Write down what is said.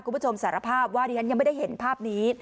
คุณผู้ชมสารภาพว่าดิฉันยังไม่ได้เห็นภาพนี้